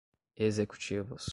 executivos